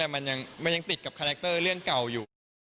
มันยังติดกับคาแรคเตอร์เรื่องเก่าอยู่